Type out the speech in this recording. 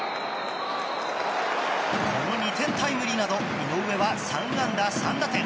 この２点タイムリーなど井上は３安打３打点。